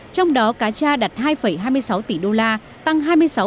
trong đó cá cha đạt hai hai mươi sáu tỷ đô la tăng hai mươi sáu bốn